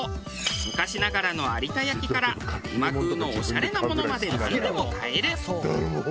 昔ながらの有田焼から今風のオシャレなものまでなんでも買える。